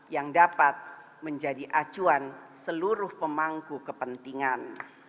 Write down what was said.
yang dapat menjadi acuan seluruh pemangku kepentingan